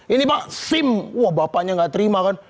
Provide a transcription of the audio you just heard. ini pak sim wah bapaknya gak terima kan